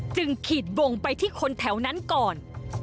ขีดวงไปที่คนแถวนั้นก่อน